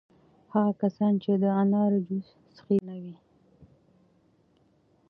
هغه کسان چې د انار جوس څښي پوستکی یې روښانه وي.